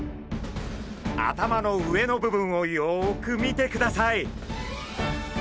頭の上の部分をよく見てください。